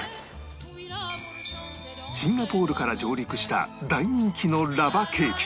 シンガポールから上陸した大人気のラバケーキ